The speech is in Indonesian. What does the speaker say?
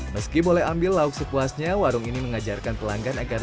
meski boleh ambil lauk sepuasnya warung ini mengajarkan pelanggan agar